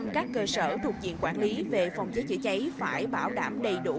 một trăm linh các cơ sở thuộc diện quản lý về phòng cháy chữa cháy phải bảo đảm đầy đủ